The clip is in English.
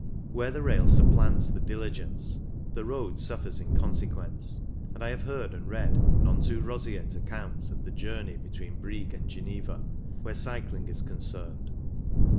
Where the rail supplants the diligence the road suffers in consequence, and I have heard and read none too roseate accounts of the journey between Brieg and Geneva, where cycling is concerned.